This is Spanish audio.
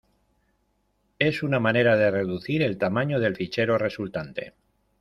Es una manera de reducir el tamaño del fichero resultante.